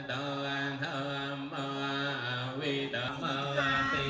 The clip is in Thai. สมพันธ์ศาตาภายสวรรค์ค่ะ